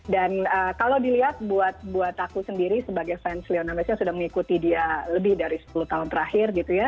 dan kalau dilihat buat aku sendiri sebagai fans lionel messi yang sudah mengikuti dia lebih dari sepuluh tahun terakhir gitu ya